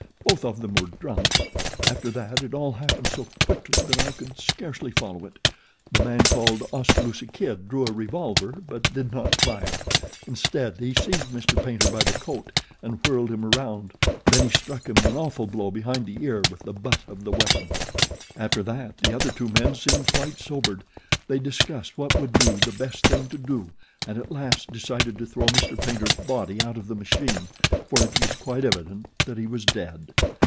Both of them were drunk. After that it all happened so quickly that I could scarcely follow it. The man called Oskaloosa Kid drew a revolver but did not fire, instead he seized Mr. Paynter by the coat and whirled him around and then he struck him an awful blow behind the ear with the butt of the weapon. "After that the other two men seemed quite sobered. They discussed what would be the best thing to do and at last decided to throw Mr. Paynter's body out of the machine, for it was quite evident that he was dead.